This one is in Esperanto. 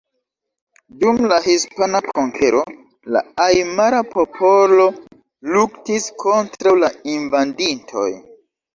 Dum la hispana konkero, la ajmara popolo luktis kontraŭ la invadintoj.